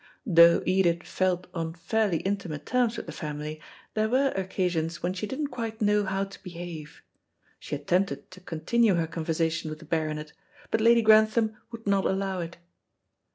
Though Edith felt on fairly intimate terms with the family, there were occasions when she didn't quite know how to behave. She attempted to continue her conversation with the Baronet, but Lady Grantham would not allow it.